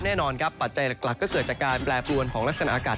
แน่นอนครับปัจจัยหลักก็เกิดจากการแปรปรวนของลักษณะอากาศ